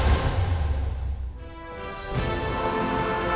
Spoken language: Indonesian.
sampai jumpa lagi